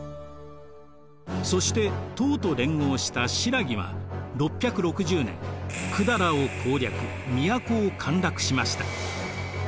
そして唐と連合した新羅は６６０年百済を攻略都を陥落しました。